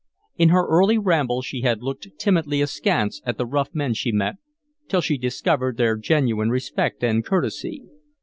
In her early rambles she had looked timidly askance at the rough men she met till she discovered their genuine respect and courtesy.